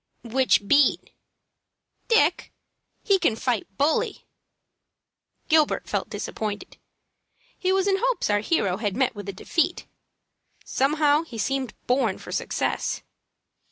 "Which beat?" "Dick. He can fight bully." Gilbert felt disappointed. He was in hopes our hero had met with a defeat. Somehow he seemed born for success.